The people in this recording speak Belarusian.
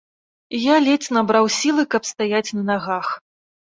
Я ледзь набраў сілы, каб стаяць на нагах.